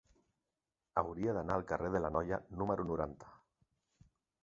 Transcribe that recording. Hauria d'anar al carrer de l'Anoia número noranta.